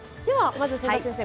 まず千田先生